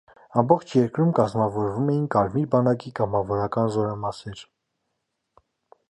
Ամբողջ երկրում կազմավորվում էին կարմիր բանակի կամավորական զորամասեր։